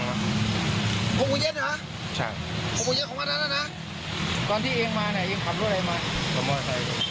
หม้อไซค์จอดไว้ตรงไหน